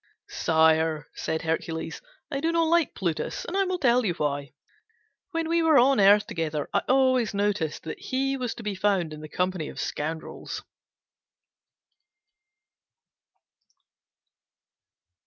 "Sire," said Hercules, "I do not like Plutus, and I will tell you why. When we were on earth together I always noticed that he was to be found in the company of scoundrels."